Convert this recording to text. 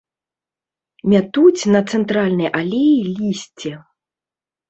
Мятуць на цэнтральнай алеі лісце.